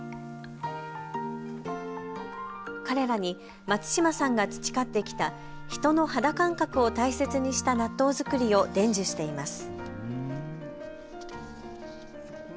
彼らに松嶋さんが培ってきた人の肌感覚を大切にした納豆作りを伝授しています。